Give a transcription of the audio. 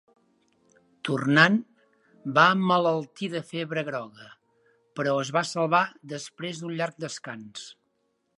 Tornant va emmalaltir de febre groga, però es va salvar després d’un llarg descans.